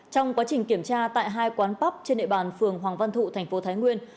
trong quá trình kiểm tra tại hai quán pub trên nệ bàn phường hoàng văn thụ tp thái nguyên